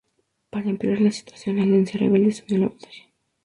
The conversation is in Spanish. Para empeorar la situación, la Alianza Rebelde se unió a la batalla.